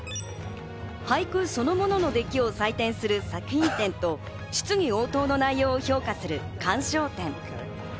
俳句そのものの出来を採点する作品点と質疑応答の内容を評価する鑑賞点。